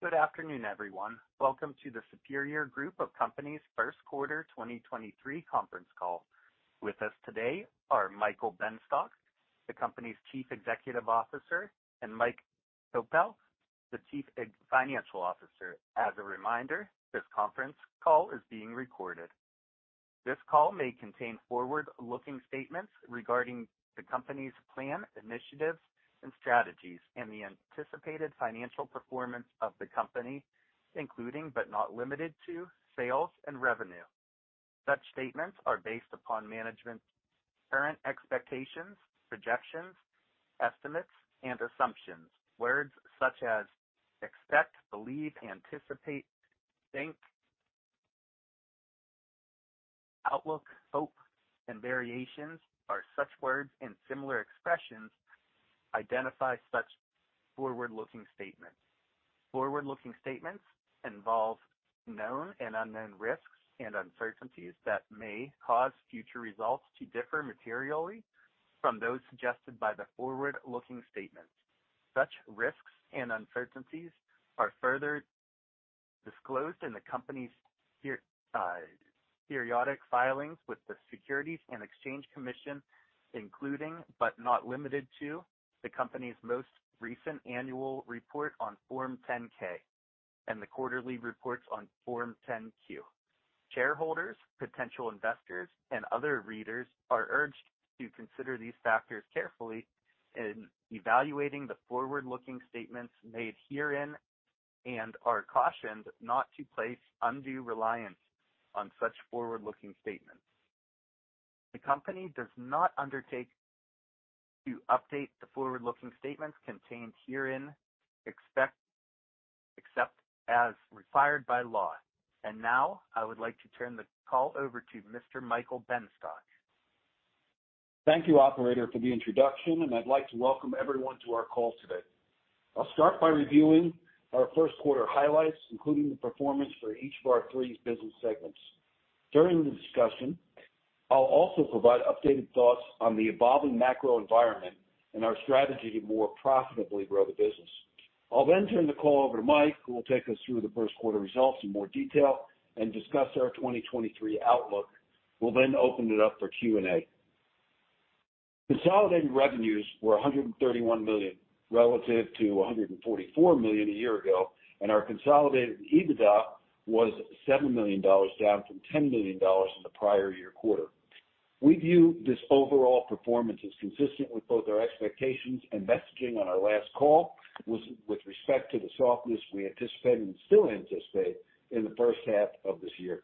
Good afternoon, everyone. Welcome to the Superior Group of Companies first quarter 2023 conference call. With us today are Michael Benstock, the company's Chief Executive Officer, and Mike Koempel, the Chief Financial Officer. As a reminder, this conference call is being recorded. This call may contain forward-looking statements regarding the company's plan, initiatives, and strategies, and the anticipated financial performance of the company, including, but not limited to, sales and revenue. Such statements are based upon management's current expectations, projections, estimates, and assumptions. Words such as expect, believe, anticipate, think, outlook, hope, and variations are such words, and similar expressions identify such forward-looking statements. Forward-looking statements involve known and unknown risks and uncertainties that may cause future results to differ materially from those suggested by the forward-looking statements. Such risks and uncertainties are further disclosed in the company's periodic filings with the Securities and Exchange Commission, including, but not limited to, the company's most recent annual report on Form 10-K and the quarterly reports on Form 10-Q. Shareholders, potential investors, and other readers are urged to consider these factors carefully in evaluating the forward-looking statements made herein and are cautioned not to place undue reliance on such forward-looking statements. The company does not undertake to update the forward-looking statements contained herein, except as required by law. Now I would like to turn the call over to Mr. Michael Benstock. Thank you, operator, for the introduction. I'd like to welcome everyone to our call today. I'll start by reviewing our first quarter highlights, including the performance for each of our three business segments. During the discussion, I'll also provide updated thoughts on the evolving macro environment and our strategy to more profitably grow the business. I'll then turn the call over to Mike, who will take us through the first quarter results in more detail and discuss our 2023 outlook. We'll then open it up for Q&A. Consolidated revenues were $131 million, relative to $144 million a year ago. Our consolidated EBITDA was $7 million, down from $10 million in the prior year quarter. We view this overall performance as consistent with both our expectations and messaging on our last call with respect to the softness we anticipate and still anticipate in the first half of this year.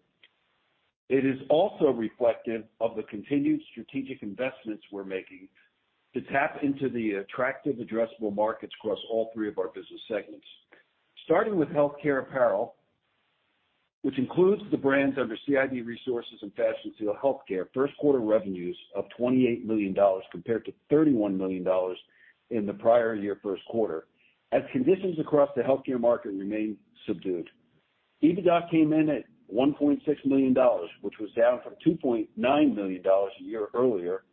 It is also reflective of the continued strategic investments we're making to tap into the attractive addressable markets across all three of our business segments. Starting with Healthcare Apparel, which includes the brands under CID Resources and Fashion Seal Healthcare, first quarter revenues of $28 million compared to $31 million in the prior year first quarter. As conditions across the healthcare market remain subdued. EBITDA came in at $1.6 million, which was down from $2.9 million a year earlier,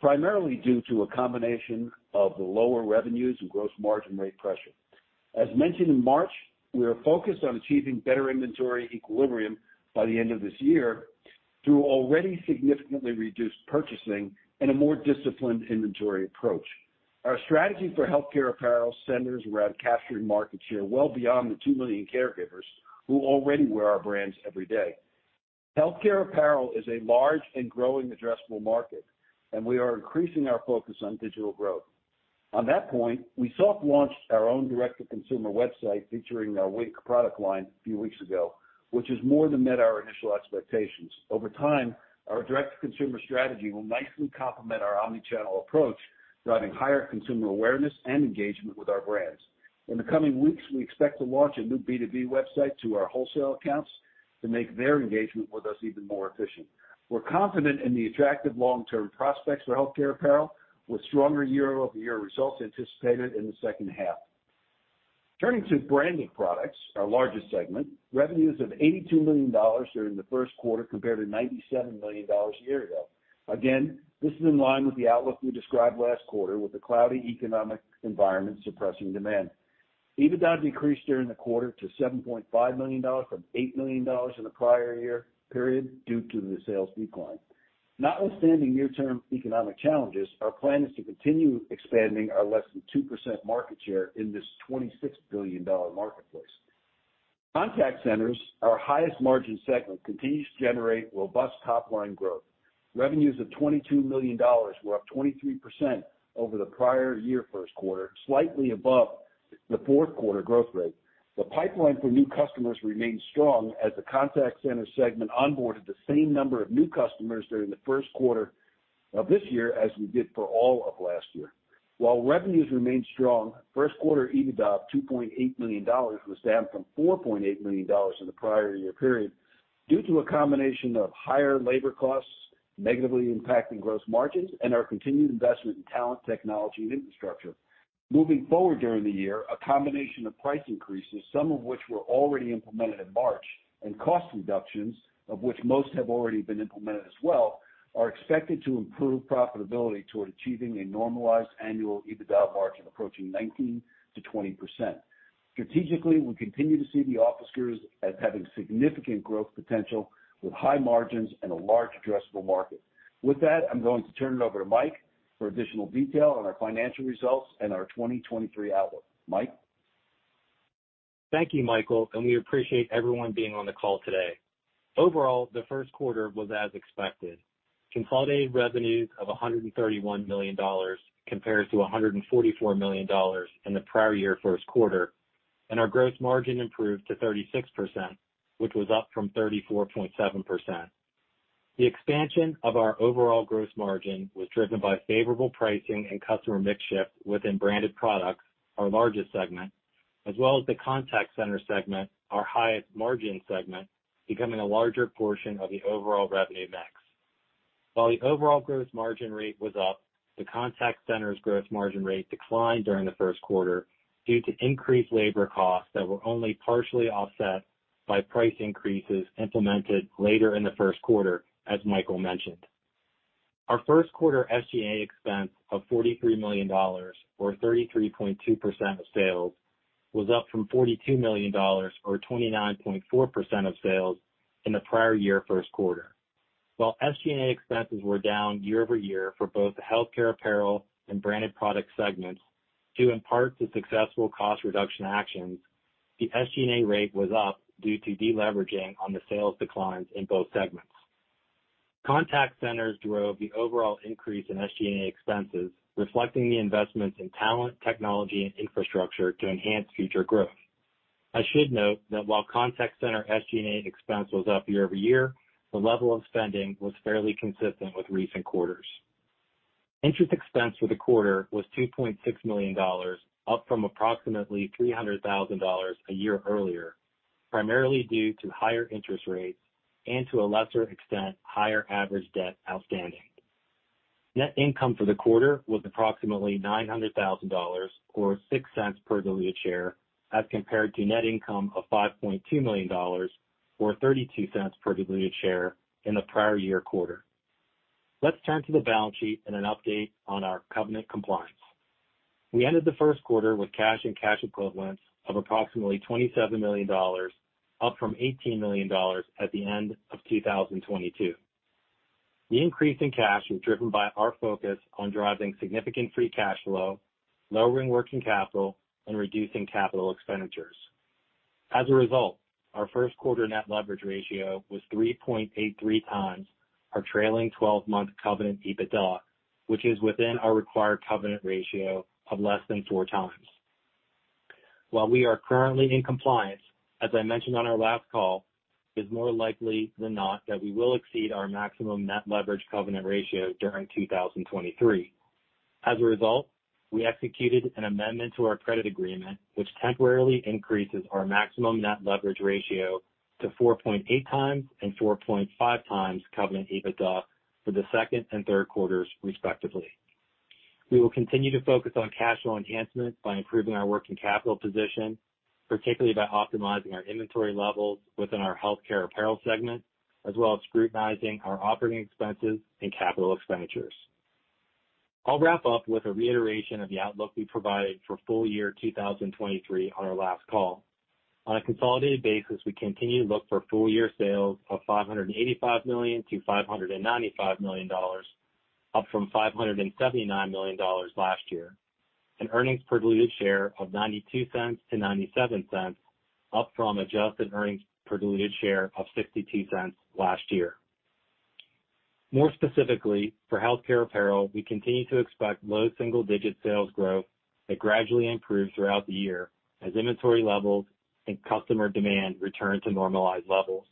primarily due to a combination of the lower revenues and gross margin rate pressure. As mentioned in March, we are focused on achieving better inventory equilibrium by the end of this year through already significantly reduced purchasing and a more disciplined inventory approach. Our strategy for Healthcare Apparel centers around capturing market share well beyond the 2 million caregivers who already wear our brands every day. Healthcare Apparel is a large and growing addressable market, and we are increasing our focus on digital growth. On that point, we soft launched our own direct-to-consumer website featuring our Wink product line a few weeks ago, which has more than met our initial expectations. Over time, our direct-to-consumer strategy will nicely complement our omni-channel approach, driving higher consumer awareness and engagement with our brands. In the coming weeks, we expect to launch a new B2B website to our wholesale accounts to make their engagement with us even more efficient. We're confident in the attractive long-term prospects for Healthcare Apparel, with stronger year-over-year results anticipated in the second half. Turning to Branded Products, our largest segment, revenues of $82 million during the first quarter compared to $97 million a year ago. This is in line with the outlook we described last quarter, with the cloudy economic environment suppressing demand. EBITDA decreased during the quarter to $7.5 million from $8 million in the prior year period due to the sales decline. Notwithstanding near-term economic challenges, our plan is to continue expanding our less than 2% market share in this $26 billion marketplace. Contact Centers, our highest margin segment, continues to generate robust top-line growth. Revenues of $22 million were up 23% over the prior year first quarter, slightly above the fourth quarter growth rate. The pipeline for new customers remains strong as the Contact Center segment onboarded the same number of new customers during the first quarter of this year as we did for all of last year. While revenues remained strong, first quarter EBITDA of $2.8 million was down from $4.8 million in the prior year period due to a combination of higher labor costs negatively impacting gross margins and our continued investment in talent, technology, and infrastructure. Moving forward during the year, a combination of price increases, some of which were already implemented in March, and cost reductions, of which most have already been implemented as well, are expected to improve profitability toward achieving a normalized annual EBITDA margin approaching 19%-20%. Strategically, we continue to see The Office Gurus as having significant growth potential with high margins and a large addressable market. I'm going to turn it over to Mike for additional detail on our financial results and our 2023 outlook. Mike? Thank you, Michael, and we appreciate everyone being on the call today. Overall, the first quarter was as expected. Consolidated revenues of $131 million compares to $144 million in the prior year first quarter, and our gross margin improved to 36%, which was up from 34.7%. The expansion of our overall gross margin was driven by favorable pricing and customer mix shift within Branded Products, our largest segment, as well as the Contact Centers segment, our highest margin segment, becoming a larger portion of the overall revenue mix. While the overall gross margin rate was up, the Contact Centers gross margin rate declined during the first quarter due to increased labor costs that were only partially offset by price increases implemented later in the first quarter, as Michael mentioned. Our first quarter SG&A expense of $43 million or 33.2% of sales, was up from $42 million or 29.4% of sales in the prior year first quarter. While SG&A expenses were down year-over-year for both the Healthcare Apparel and Branded Products segments, due in part to successful cost reduction actions, the SG&A rate was up due to deleveraging on the sales declines in both segments. Contact Centers drove the overall increase in SG&A expenses, reflecting the investments in talent, technology, and infrastructure to enhance future growth. I should note that while Contact Centers SG&A expense was up year-over-year, the level of spending was fairly consistent with recent quarters. Interest expense for the quarter was $2.6 million, up from approximately $300,000 a year earlier, primarily due to higher interest rates and to a lesser extent, higher average debt outstanding. Net income for the quarter was approximately $900,000 or $0.06 per diluted share, as compared to net income of $5.2 million or $0.32 per diluted share in the prior year quarter. Let's turn to the balance sheet and an update on our covenant compliance. We ended the first quarter with cash and cash equivalents of approximately $27 million, up from $18 million at the end of 2022. The increase in cash was driven by our focus on driving significant free cash flow, lowering working capital, and reducing capital expenditures. Our first quarter net leverage ratio was 3.83x our trailing 12-month covenant EBITDA, which is within our required covenant ratio of less than 4x. While we are currently in compliance, as I mentioned on our last call, it's more likely than not that we will exceed our maximum net leverage covenant ratio during 2023. We executed an amendment to our credit agreement, which temporarily increases our maximum net leverage ratio to 4.8x and 4.5x covenant EBITDA for the second and third quarters, respectively. We will continue to focus on cash flow enhancement by improving our working capital position, particularly by optimizing our inventory levels within our Healthcare Apparel segment, as well as scrutinizing our operating expenses and capital expenditures. I'll wrap up with a reiteration of the outlook we provided for full year 2023 on our last call. On a consolidated basis, we continue to look for full year sales of $585 million-$595 million, up from $579 million last year. Earnings per diluted share of $0.92-$0.97, up from adjusted earnings per diluted share of $0.62 last year. More specifically, for Healthcare Apparel, we continue to expect low single-digit sales growth that gradually improves throughout the year as inventory levels and customer demand return to normalized levels.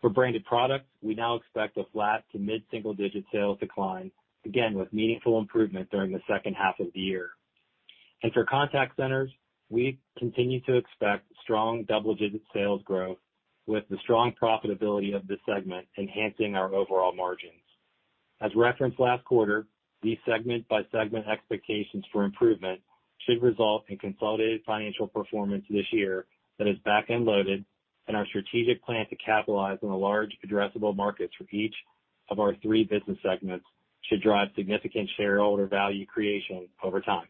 For Branded Products, we now expect a flat to mid-single digit sales decline, again, with meaningful improvement during the second half of the year. For Contact Centers, we continue to expect strong double-digit sales growth, with the strong profitability of this segment enhancing our overall margins. As referenced last quarter, these segment by segment expectations for improvement should result in consolidated financial performance this year that is back-end loaded. Our strategic plan to capitalize on the large addressable markets for each of our three business segments should drive significant shareholder value creation over time.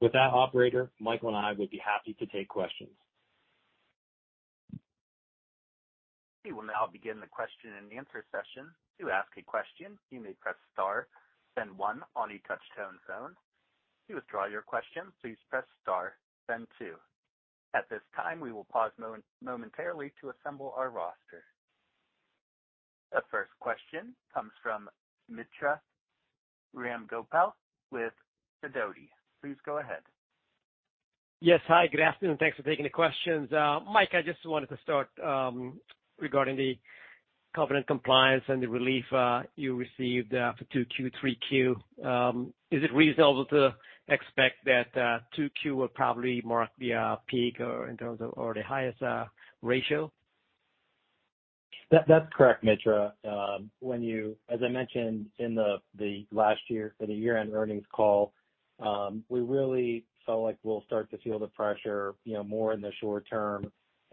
With that, operator, Michael and I would be happy to take questions. We will now begin the question and answer session. To ask a question, you may press star then one on a touch-tone phone. To withdraw your question, please press star then two. At this time, we will pause momentarily to assemble our roster. The first question comes from Mitra Ramgopal with Sidoti. Please go ahead. Yes. Hi, good afternoon. Thanks for taking the questions. Mike, I just wanted to start regarding the covenant compliance and the relief you received for Q2, Q3. Is it reasonable to expect that Q2 will probably mark the peak or the highest ratio? That's correct, Mitra. As I mentioned in the year-end earnings call, we really felt like we'll start to feel the pressure, you know, more in the short term.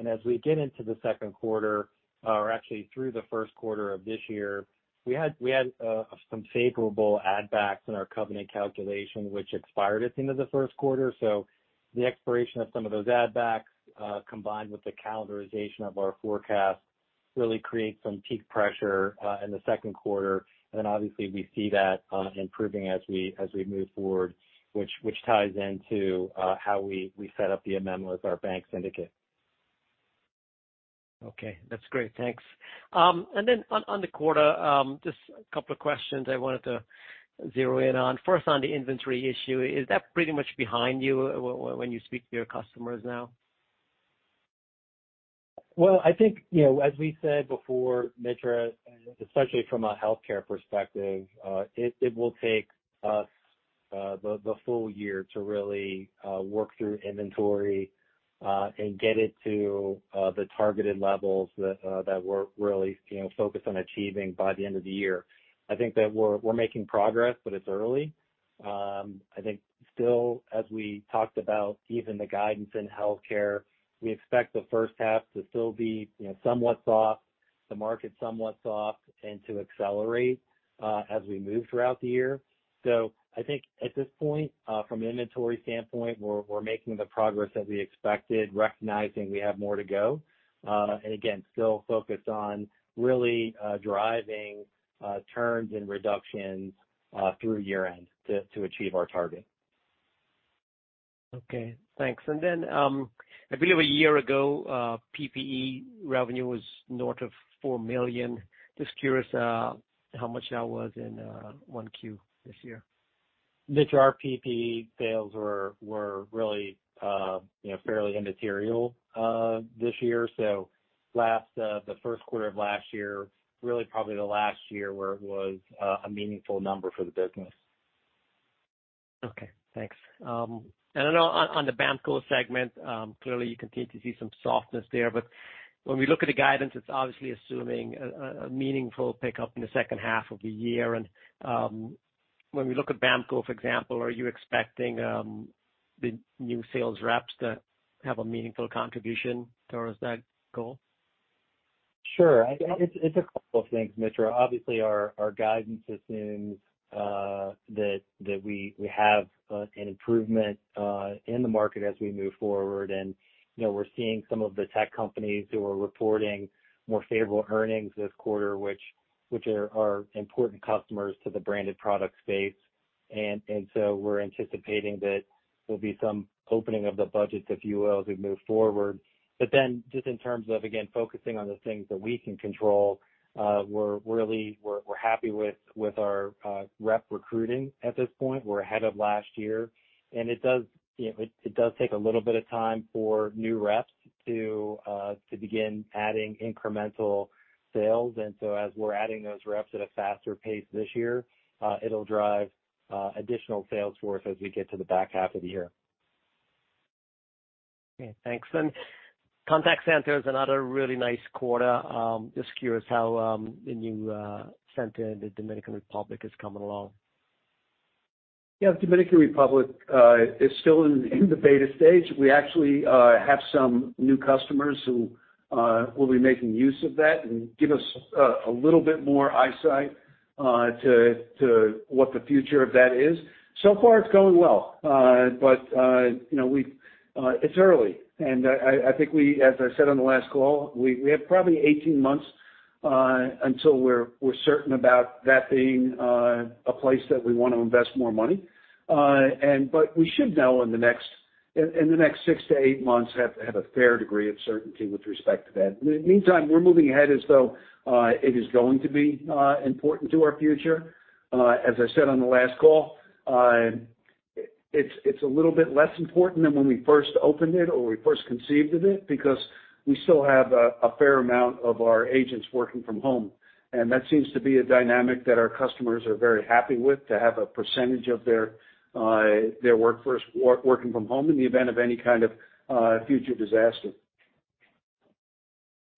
As we get into the second quarter, or actually through the first quarter of this year, we had some favorable add backs in our covenant calculation, which expired at the end of the first quarter. The expiration of some of those add backs, combined with the calendarization of our forecast really create some peak pressure in the second quarter. Then obviously we see that improving as we move forward, which ties into how we set up the amendment with our bank syndicate. Okay. That's great. Thanks. On the quarter, just a couple of questions I wanted to zero in on. First, on the inventory issue, is that pretty much behind you when you speak to your customers now? I think, you know, as we said before, Mitra, especially from a healthcare perspective, it will take us the full year to really work through inventory and get it to the targeted levels that we're really, you know, focused on achieving by the end of the year. I think that we're making progress, but it's early. I think still, as we talked about even the guidance in healthcare, we expect the first half to still be, you know, somewhat soft, the market somewhat soft, and to accelerate as we move throughout the year. I think at this point, from an inventory standpoint, we're making the progress that we expected, recognizing we have more to go. Again, still focused on really, driving, turns and reductions, through year-end to achieve our target. Okay. Thanks. I believe a year ago, PPE revenue was north of $4 million. Just curious, how much that was in Q1 this year. Mitra, our PPE sales were really, you know, fairly immaterial this year. Last the first quarter of last year, really probably the last year where it was a meaningful number for the business. Okay. Thanks. I know on the BAMKO segment, clearly you continue to see some softness there, but when we look at the guidance, it's obviously assuming a meaningful pickup in the second half of the year. When we look at BAMKO, for example, are you expecting the new sales reps to have a meaningful contribution towards that goal? Sure. I think it's a couple of things, Mitra. Obviously, our guidance assumes that we have an improvement in the market as we move forward. You know, we're seeing some of the tech companies who are reporting more favorable earnings this quarter, which are important customers to the Branded Products space. We're anticipating that there'll be some opening of the budgets, if you will, as we move forward. Just in terms of, again, focusing on the things that we can control, we're really happy with our rep recruiting at this point. We're ahead of last year. It does, you know, it does take a little bit of time for new reps to begin adding incremental sales. As we're adding those reps at a faster pace this year, it'll drive additional sales growth as we get to the back half of the year. Okay. Thanks. Contact Centers is another really nice quarter. Just curious how the new center in the Dominican Republic is coming along. Yeah. The Dominican Republic is still in the beta stage. We actually have some new customers who will be making use of that and give us a little bit more insight to what the future of that is. So far it's going well. You know, it's early. I think as I said on the last call, we have probably 18 months until we're certain about that being a place that we wanna invest more money. But we should know in the next six, eight months, have a fair degree of certainty with respect to that. In the meantime, we're moving ahead as though it is going to be important to our future. As I said on the last call, it's a little bit less important than when we first opened it or we first conceived of it because we still have a fair amount of our agents working from home. That seems to be a dynamic that our customers are very happy with, to have a percentage of their workforce working from home in the event of any kind of future disaster.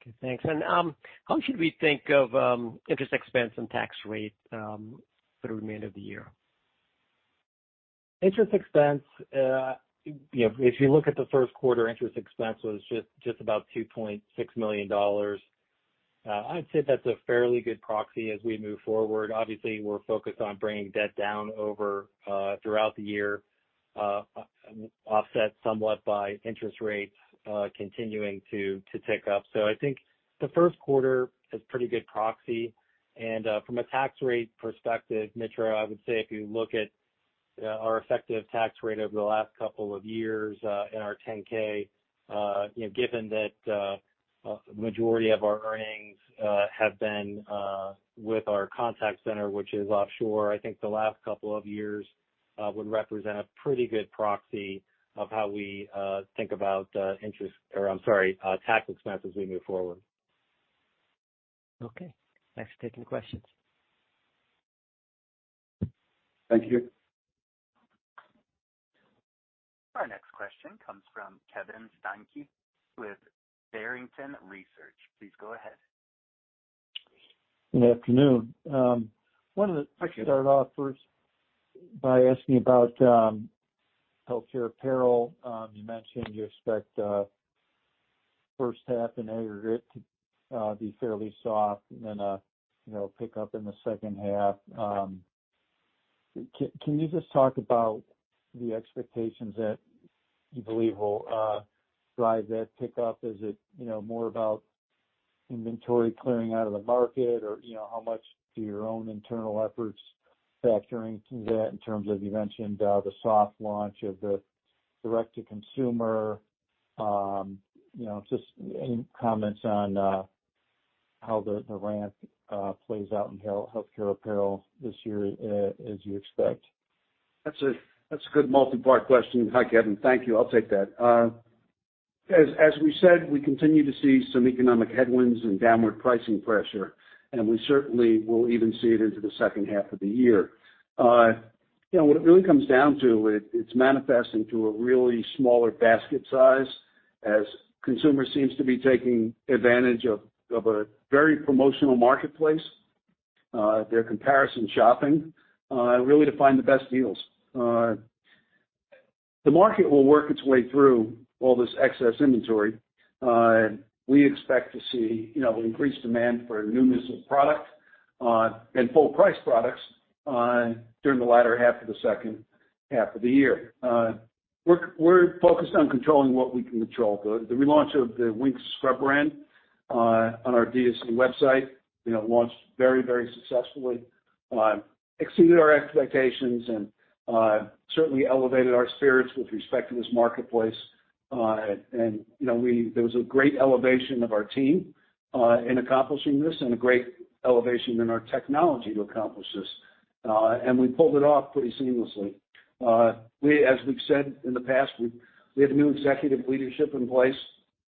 Okay, thanks. How should we think of interest expense and tax rate for the remainder of the year? Interest expense, you know, if you look at the first quarter, interest expense was just about $2.6 million. I'd say that's a fairly good proxy as we move forward. Obviously, we're focused on bringing debt down over throughout the year, offset somewhat by interest rates continuing to tick up. I think the first quarter is pretty good proxy. From a tax rate perspective, Mitra, I would say if you look at our effective tax rate over the last couple of years, in our 10-K, you know, given that a majority of our earnings have been with our Contact Center, which is offshore, I think the last couple of years would represent a pretty good proxy of how we think about interest or I'm sorry, tax expense as we move forward. Okay. Thanks for taking the questions. Thank you. Our next question comes from Kevin Steinke with Barrington Research. Please go ahead. Good afternoon. Thank you. Starting off first by asking about Healthcare Apparel. You mentioned you expect first half in aggregate to be fairly soft and then, you know, pick up in the second half. Can you just talk about the expectations that you believe will drive that pickup? Is it, you know, more about inventory clearing out of the market, or, you know, how much do your own internal efforts factor into that in terms of you mentioned the soft launch of the direct to consumer? You know, just any comments on how the ramp plays out in Healthcare Apparel this year, as you expect. That's a good multipart question. Hi, Kevin. Thank you. I'll take that. As we said, we continue to see some economic headwinds and downward pricing pressure, we certainly will even see it into the second half of the year. you know, what it really comes down to it's manifesting to a really smaller basket size as consumers seems to be taking advantage of a very promotional marketplace. They're comparison shopping, really to find the best deals. The market will work its way through all this excess inventory. we expect to see, you know, increased demand for newness of product, and full price products, during the latter half of the second half of the year. We're focused on controlling what we can control. The relaunch of the Wink scrub brand on our D2C website, you know, launched very, very successfully, exceeded our expectations and certainly elevated our spirits with respect to this marketplace. You know, there was a great elevation of our team in accomplishing this and a great elevation in our technology to accomplish this. We pulled it off pretty seamlessly. As we've said in the past, we have new executive leadership in place.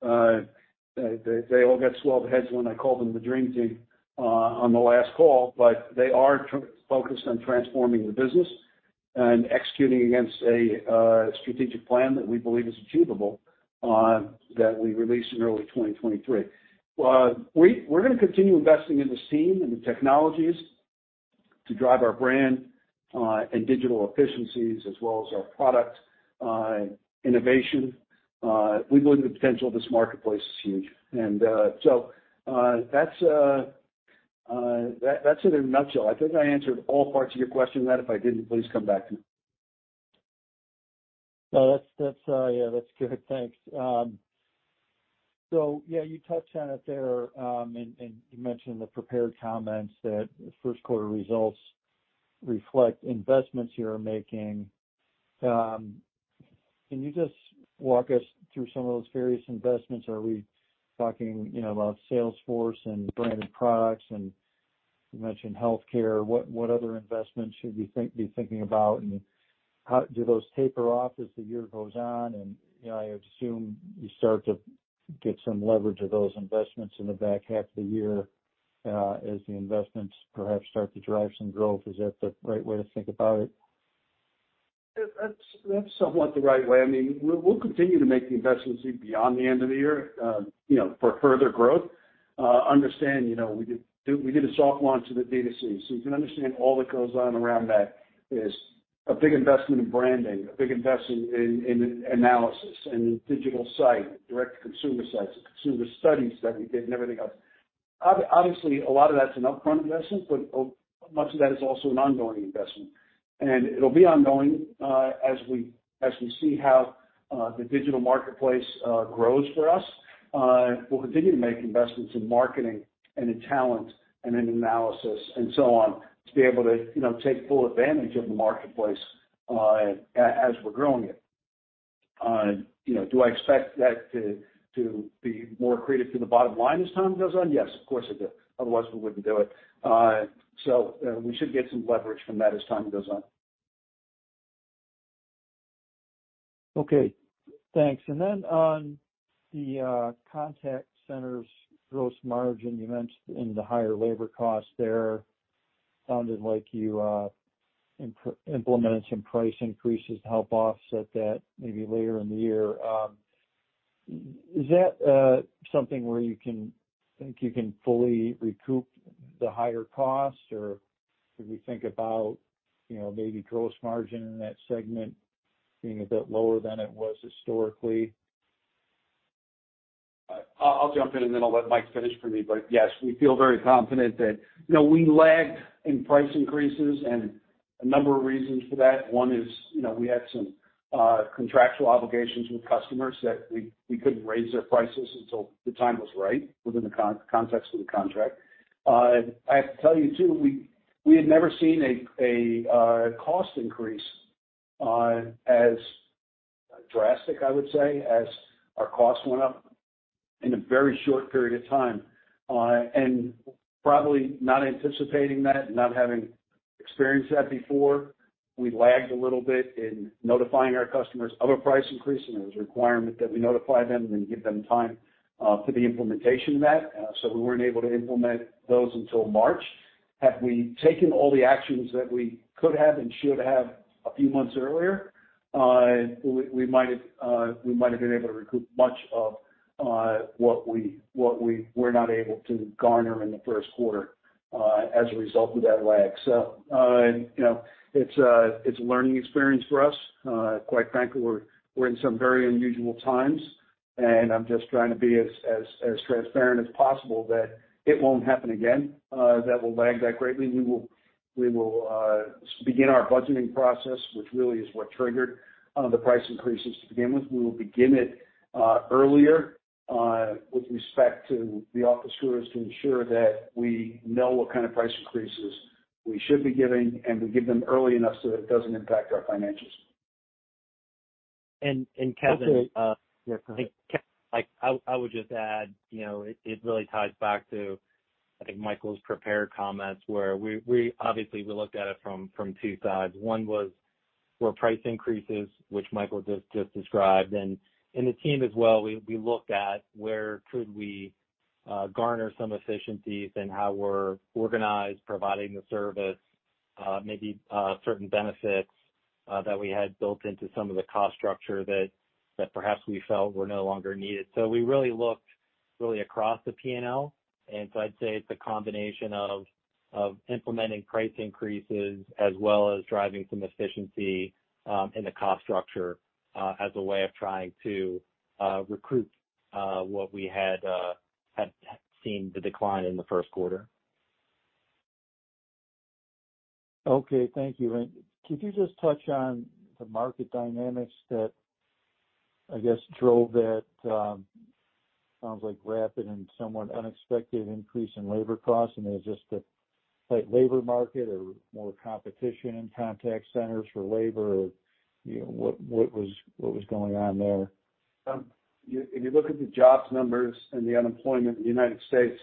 They all got swelled heads when I called them the dream team on the last call, but they are focused on transforming the business and executing against a strategic plan that we believe is achievable that we released in early 2023. We're gonna continue investing in the scene and the technologies to drive our brand and digital efficiencies as well as our product innovation. We believe the potential of this marketplace is huge. That's it in a nutshell. I think I answered all parts of your question in that. If I didn't, please come back to me. No, that's, yeah, that's good. Thanks. Yeah, you touched on it there, and you mentioned the prepared comments that first quarter results reflect investments you're making. Can you just walk us through some of those various investments? Are we talking, you know, about Salesforce and Branded Products? You mentioned healthcare, what other investments should we be thinking about? How do those taper off as the year goes on? You know, I assume you start to get some leverage of those investments in the back half of the year, as the investments perhaps start to drive some growth. Is that the right way to think about it? That's somewhat the right way. I mean, we'll continue to make the investments even beyond the end of the year, you know, for further growth. Understand, you know, we did a soft launch of the D2C, so you can understand all that goes on around that is a big investment in branding, a big investment in analysis and digital site, direct to consumer sites, consumer studies that we did and everything else. Obviously, a lot of that's an upfront investment, but much of that is also an ongoing investment. It'll be ongoing as we see how the digital marketplace grows for us. We'll continue to make investments in marketing and in talent and in analysis and so on to be able to, you know, take full advantage of the marketplace, as we're growing it. You know, do I expect that to be more accretive to the bottom line as time goes on? Yes, of course I do. Otherwise, we wouldn't do it. We should get some leverage from that as time goes on. Okay. Thanks. On the Contact Centers gross margin, you mentioned in the higher labor costs there sounded like you implement some price increases to help offset that maybe later in the year. Is that something where you can think you can fully recoup the higher cost? Or should we think about, you know, maybe gross margin in that segment being a bit lower than it was historically? I'll jump in and then I'll let Mike finish for me. Yes, we feel very confident that, you know, we lagged in price increases and a number of reasons for that. One is, you know, we had some contractual obligations with customers that we couldn't raise their prices until the time was right within the context of the contract. I have to tell you too, we had never seen a cost increase as drastic, I would say, as our costs went up in a very short period of time. And probably not anticipating that and not having experienced that before, we lagged a little bit in notifying our customers of a price increase, and there was a requirement that we notify them and then give them time for the implementation of that. Implement those until March. Had we taken all the actions that we could have and should have a few months earlier, we might have been able to recoup much of what we were not able to garner in the first quarter as a result of that lag. You know, it's a learning experience for us. Quite frankly, we're in some very unusual times. I'm just trying to be as transparent as possible that it won't happen again, that will lag that greatly. We will begin our budgeting process, which really is what triggered the price increases to begin with We will begin it earlier with respect to The Office Gurus to ensure that we know what kind of price increases we should be giving, and we give them early enough so that it doesn't impact our financials. Kevin. Okay. Yes, go ahead. I think, Kevin, I would just add, you know, it really ties back to, I think Michael's prepared comments, where we obviously looked at it from two sides. One was where price increases, which Michael just described. The team as well, we looked at where could we garner some efficiencies in how we're organized, providing the service, maybe certain benefits that we had built into some of the cost structure that perhaps we felt were no longer needed. We really looked really across the P&L. I'd say it's a combination of implementing price increases as well as driving some efficiency in the cost structure as a way of trying to recruit what we had seen the decline in the first quarter. Okay. Thank you. Could you just touch on the market dynamics that, I guess, drove that, sounds like rapid and somewhat unexpected increase in labor costs, and is just a tight labor market or more competition in Contact Centers for labor? You know, what was going on there? If you look at the jobs numbers and the unemployment in the United States,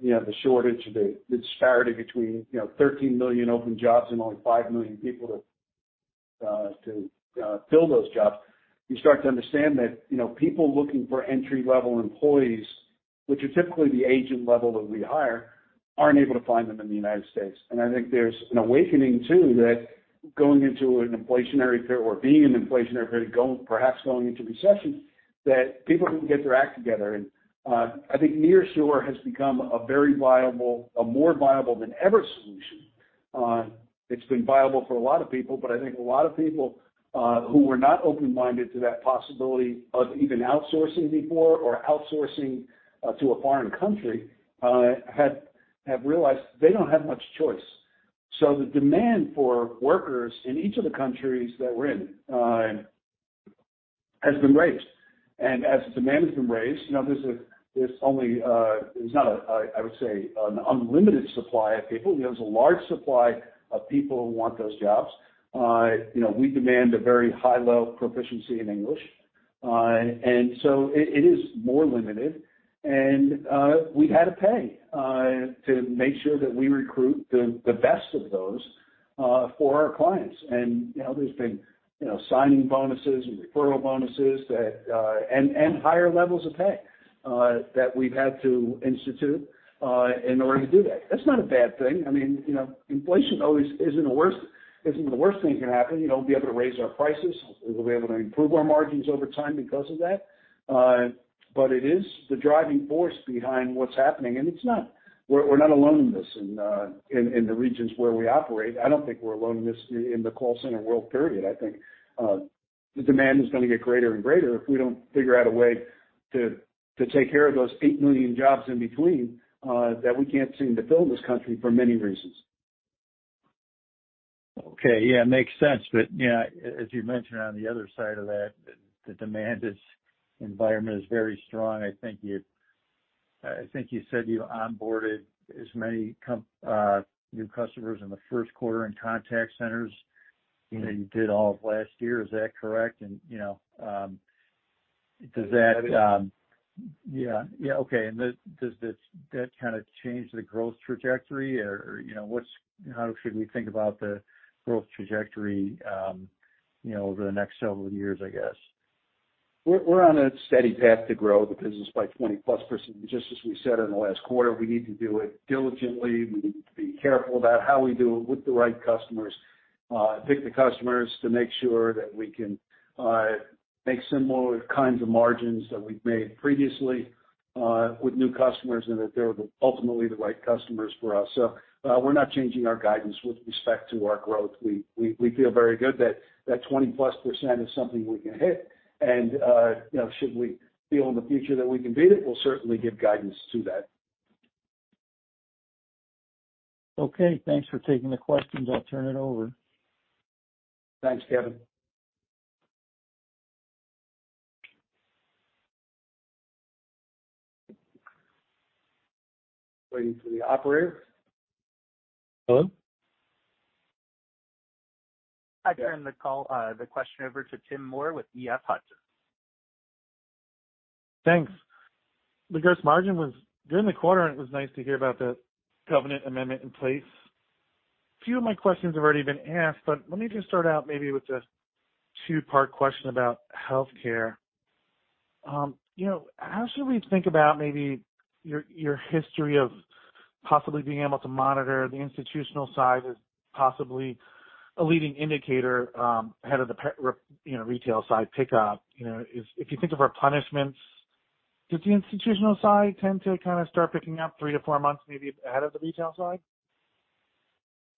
you have the shortage of the disparity between, you know, 13 million open jobs and only 5 million people to fill those jobs, you start to understand that, you know, people looking for entry-level employees, which are typically the agent level that we hire, aren't able to find them in the United States. I think there's an awakening too, that going into an inflationary period or being in an inflationary period, perhaps going into recession, that people can get their act together. I think nearshore has become a very viable, a more viable than ever solution. It's been viable for a lot of people, but I think a lot of people who were not open-minded to that possibility of even outsourcing before or outsourcing to a foreign country, have realized they don't have much choice. The demand for workers in each of the countries that we're in has been raised. As the demand has been raised, you know, there's only, there's not a, I would say, an unlimited supply of people. You know, there's a large supply of people who want those jobs. You know, we demand a very high level of proficiency in English. And so it is more limited. We had to pay to make sure that we recruit the best of those for our clients. You know, there's been, you know, signing bonuses and referral bonuses that, and higher levels of pay, that we've had to institute, in order to do that. That's not a bad thing. I mean, you know, inflation always isn't the worst thing can happen. You know, we'll be able to raise our prices. We'll be able to improve our margins over time because of that. It is the driving force behind what's happening. It's not. We're not alone in this in the regions where we operate. I don't think we're alone in this in the call center world, period. I think the demand is gonna get greater and greater if we don't figure out a way to take care of those 8 million jobs in between that we can't seem to fill in this country for many reasons. Okay. Yeah, it makes sense. you know, as you mentioned on the other side of that, the demand is environment is very strong. I think you said you onboarded as many new customers in the first quarter in Contact Centers, you know, you did all of last year. Is that correct? you know, does that. Yeah. Yeah. Okay. does this, that kinda change the growth trajectory? you know, how should we think about the growth trajectory, you know, over the next several years, I guess? We're on a steady path to grow the business by 20%+. Just as we said in the last quarter, we need to do it diligently. We need to be careful about how we do it with the right customers, pick the customers to make sure that we can make similar kinds of margins that we've made previously, with new customers and that they're ultimately the right customers for us. We're not changing our guidance with respect to our growth. We feel very good that that 20%+ is something we can hit. You know, should we feel in the future that we can beat it, we'll certainly give guidance to that. Okay, thanks for taking the questions. I'll turn it over. Thanks, Kevin. Waiting for the operator. Hello? I turn the call, the question over to Tim Moore with EF Hutton. Thanks. The gross margin was good in the quarter, and it was nice to hear about the covenant amendment in place. A few of my questions have already been asked, but let me just start out maybe with a two-part question about healthcare. You know, how should we think about maybe your history of possibly being able to monitor the institutional side as possibly a leading indicator, ahead of the you know, retail side pickup? You know, if you think of replenishments, does the institutional side tend to kinda start picking up three to four months maybe ahead of the retail side?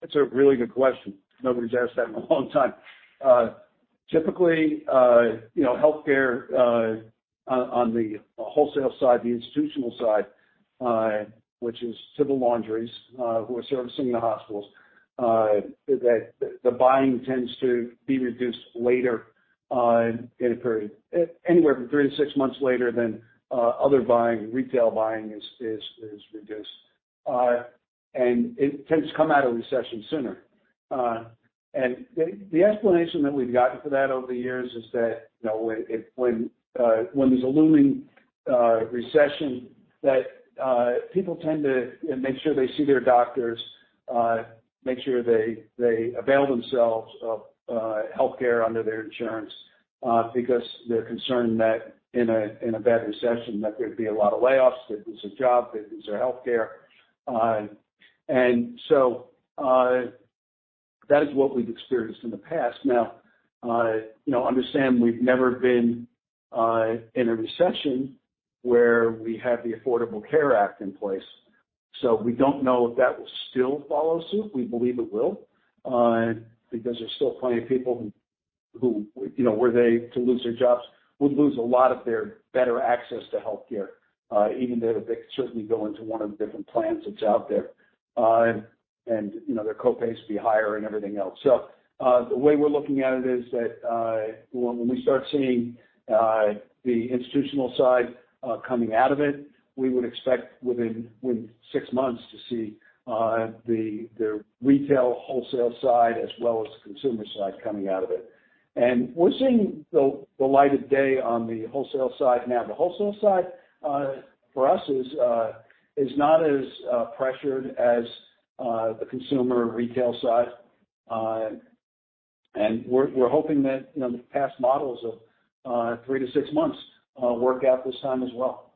That's a really good question. Nobody's asked that in a long time. Typically, you know, healthcare on the wholesale side, the institutional side, which is civil laundries, who are servicing the hospitals, that the buying tends to be reduced later in a period. Anywhere from three to six months later than other buying, retail buying is reduced. It tends to come out of recession sooner. The explanation that we've gotten for that over the years is that, you know, when there's a looming recession that people tend to make sure they see their doctors, make sure they avail themselves of healthcare under their insurance, because they're concerned that in a bad recession, that there'd be a lot of layoffs. They'd lose their job, they'd lose their healthcare. That is what we've experienced in the past. you know, understand, we've never been in a recession where we have the Affordable Care Act in place. We don't know if that will still follow suit. We believe it will, because there's still plenty of people who, you know, were they to lose their jobs, would lose a lot of their better access to healthcare, even though they could certainly go into one of the different plans that's out there. you know, their co-pays be higher and everything else. The way we're looking at it is that, when we start seeing, the institutional side, coming out of it, we would expect within six months to see, the retail wholesale side as well as the consumer side coming out of it. We're seeing the light of day on the wholesale side. The wholesale side, for us is not as, pressured as, the consumer retail side. We're hoping that, you know, the past models of, three to six months, work out this time as well.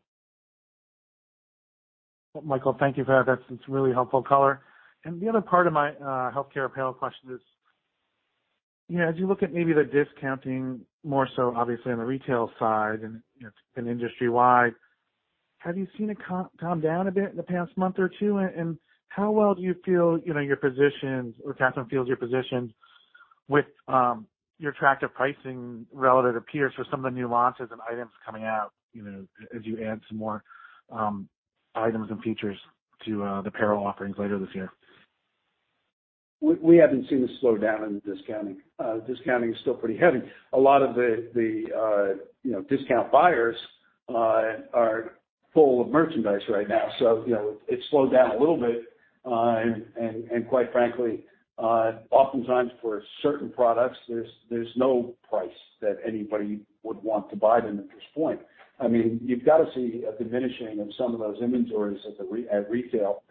Michael, thank you for that. That's really helpful color. The other part of my healthcare apparel question is, you know, as you look at maybe the discounting more so obviously on the retail side and, you know, kind of industry wide, have you seen it calm down a bit in the past month or two? How well do you feel, you know, you're positioned or Katherine feels you're positioned with your attractive pricing relative to peers for some of the new launches and items coming out, you know, as you add some more items and features to the apparel offerings later this year? Slowdown in discounting. Discounting is still pretty heavy. A lot of the, you know, discount buyers are full of merchandise right now. So, you know, it's slowed down a little bit, and quite frankly, oftentimes for certain products, there's no price that anybody would want to buy them at this point. I mean, you've got to see a diminishing of some of those inventories at retail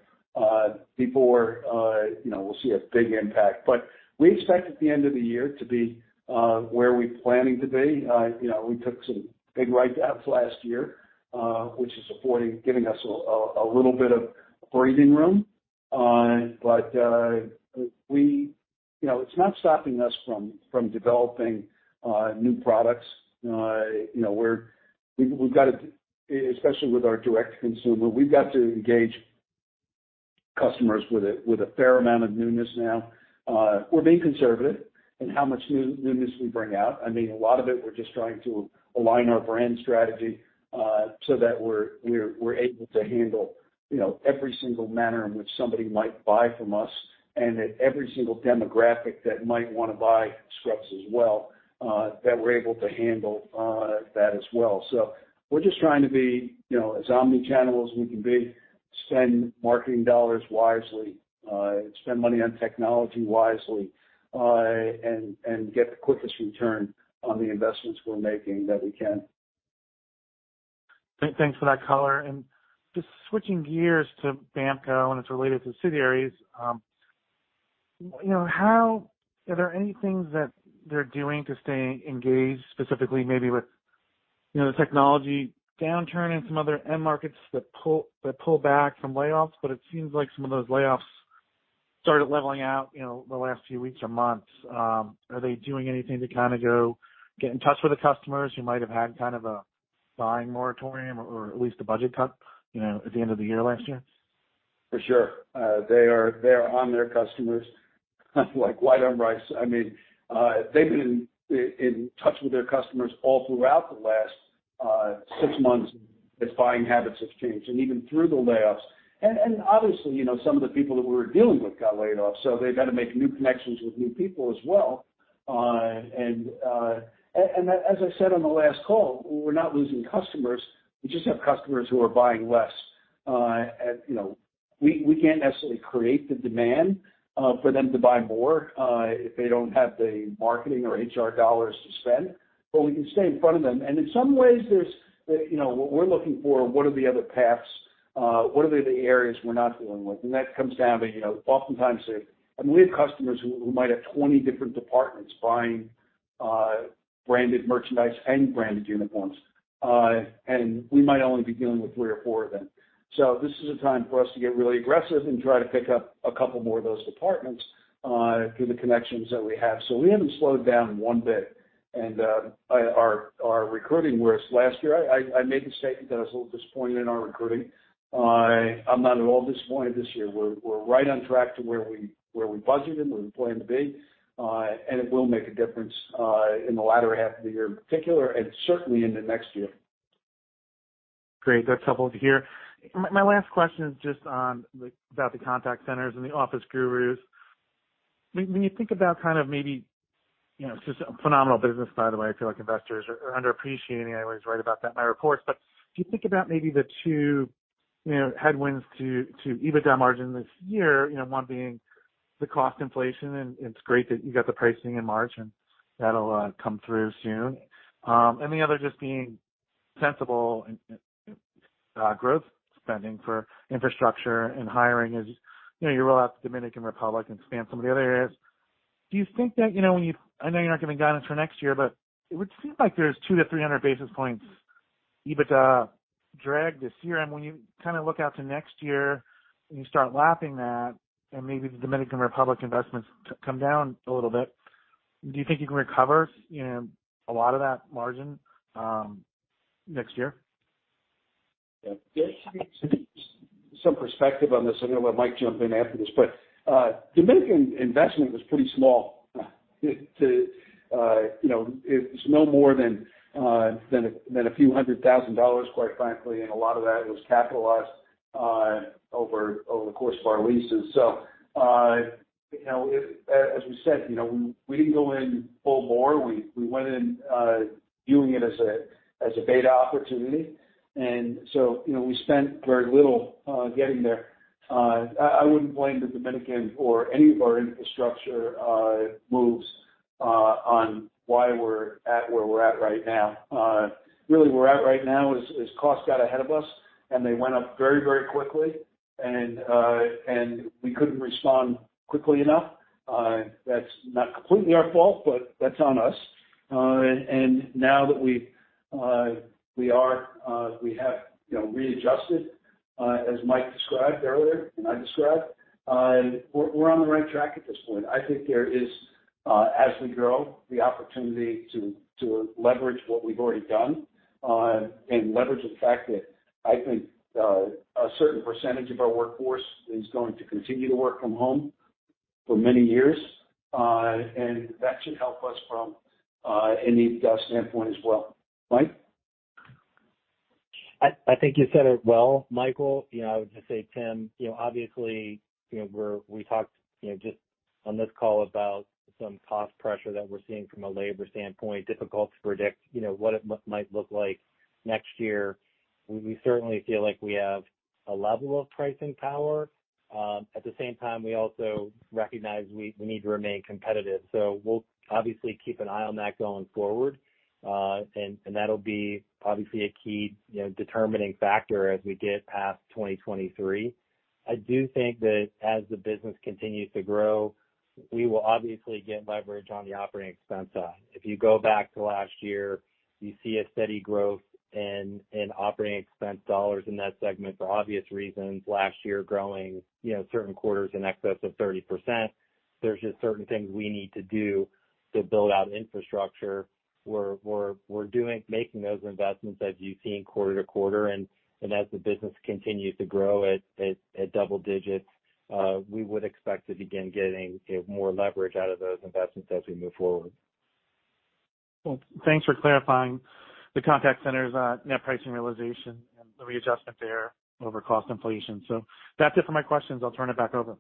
before, you know, we'll see a big impact. But we expect at the end of the year to be where we're planning to be. You know, we took some big write-downs last year, which is affording, giving us a little bit of breathing room. But, you know, it's not stopping us from developing new products You know, we've got to, especially with our direct to consumer, we've got to engage customers with a, with a fair amount of newness now. We're being conservative in how much newness we bring out. I mean, a lot of it we're just trying to align our brand strategy so that we're able to handle, you know, every single manner in which somebody might buy from us. That every single demographic that might wanna buy scrubs as well, that we're able to handle that as well. We're just trying to be, you know, as omni-channel as we can be, spend marketing dollars wisely, spend money on technology wisely, and get the quickest return on the investments we're making that we can. Thanks for that color. Just switching gears to BAMKO and its related subsidiaries, you know. Are there any things that they're doing to stay engaged, specifically maybe with, you know, the technology downturn and some other end markets that pull back from layoffs? It seems like some of those layoffs started leveling out, you know, the last few weeks or months. Are they doing anything to kind of go get in touch with the customers who might have had kind of a buying moratorium or at least a budget cut, you know, at the end of the year last year? For sure. They are on their customers, like white on rice. I mean, they've been in touch with their customers all throughout the last six months as buying habits have changed and even through the layoffs. Obviously, you know, some of the people that we were dealing with got laid off, so they've had to make new connections with new people as well. As I said on the last call, we're not losing customers. We just have customers who are buying less. You know, we can't necessarily create the demand for them to buy more if they don't have the marketing or HR dollars to spend, but we can stay in front of them. In some ways there's, you know, what we're looking for, what are the other paths? What are the areas we're not dealing with? That comes down to, you know, oftentimes and we have customers who might have 20 different departments buying branded merchandise and branded uniforms, and we might only be dealing with three or four of them. This is a time for us to get really aggressive and try to pick up a couple more of those departments, through the connections that we have. We haven't slowed down one bit. Our recruiting whereas last year I made the statement that I was a little disappointed in our recruiting. I'm not at all disappointed this year. We're right on track to where we budgeted and where we planned to be. It will make a difference in the latter half of the year in particular, and certainly into next year. Great. That's helpful to hear. My last question is just about the Contact Centers and The Office Gurus. When you think about kind of maybe, you know, just a phenomenal business, by the way, I feel like investors are underappreciating. I always write about that in my reports. If you think about maybe the two, you know, headwinds to EBITDA margin this year, you know, one being the cost inflation, and it's great that you got the pricing in March, and that'll come through soon. The other just being sensible and growth spending for infrastructure and hiring as, you know, you roll out to Dominican Republic and expand some of the other areas. Do you think that, you know, when you... I know you're not giving guidance for next year, it would seem like there's 200 basis points-300 basis points EBITDA drag this year. When you kinda look out to next year and you start lapping that, and maybe the Dominican Republic investments come down a little bit, do you think you can recover, you know, a lot of that margin next year? Yeah. To give some perspective on this, I'm gonna let Mike jump in after this. Dominican investment was pretty small. to, you know, it's no more than a few hundred thousand dollars, quite frankly, and a lot of that was capitalized over the course of our leases. you know, if as we said, you know, we didn't go in full bore. We went in, viewing it as a beta opportunity. you know, we spent very little getting there. I wouldn't blame the Dominican or any of our infrastructure moves on why we're at where we're at right now. Really where we're at right now is cost got ahead of us and they went up very, very quickly and we couldn't respond quickly enough. That's not completely our fault, but that's on us. Now that we've, we are, we have, you know, readjusted, as Mike described earlier and I described, we're on the right track at this point. I think there is, as we grow, the opportunity to leverage what we've already done, and leverage the fact that I think, a certain percentage of our workforce is going to continue to work from home for many years, and that should help us from an EBITDA standpoint as well. Mike? I think you said it well, Michael. You know, I would just say, Tim, you know, obviously, you know, we talked, you know, just on this call about some cost pressure that we're seeing from a labor standpoint, difficult to predict, you know, what it might look like next year. We certainly feel like we have a level of pricing power. At the same time, we also recognize we need to remain competitive. We'll obviously keep an eye on that going forward. That'll be obviously a key, you know, determining factor as we get past 2023. I do think that as the business continues to grow, we will obviously get leverage on the operating expense side. If you go back to last year, you see a steady growth in operating expense dollars in that segment for obvious reasons. Last year growing, you know, certain quarters in excess of 30%. There's just certain things we need to do to build out infrastructure. We're making those investments as you've seen quarter-to-quarter. As the business continues to grow at double digits, we would expect to begin getting, you know, more leverage out of those investments as we move forward. Thanks for clarifying the Contact Centers, net pricing realization and the readjustment there over cost inflation. That's it for my questions. I'll turn it back over.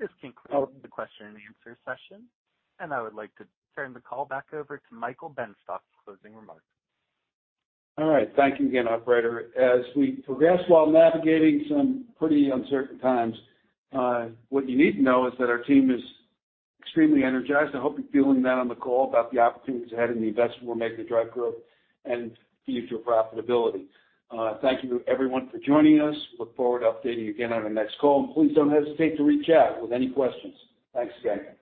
This concludes the question and answer session, and I would like to turn the call back over to Michael Benstock for closing remarks. All right. Thank you again, operator. As we progress while navigating some pretty uncertain times, what you need to know is that our team is extremely energized. I hope you're feeling that on the call about the opportunities ahead and the investment we're making to drive growth and future profitability. Thank you everyone for joining us. Look forward to updating you again on the next call, and please don't hesitate to reach out with any questions. Thanks again.